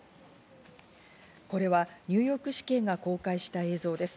これはニューヨーク市警が公開した映像です。